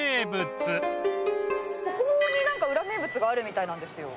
ここになんかウラ名物があるみたいなんですよ。